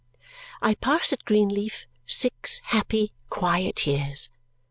I passed at Greenleaf six happy, quiet years.